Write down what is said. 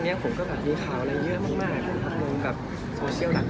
อันนี้เป็นการบล็อกในเฟสบุ๊คใช่ไหม